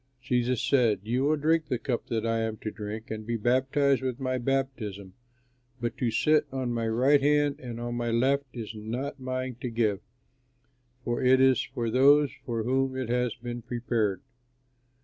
Jesus said, "You will drink the cup that I am to drink and be baptized with my baptism, but to sit on my right hand and on my left is not mine to give; for it is for those for whom it has been prepared."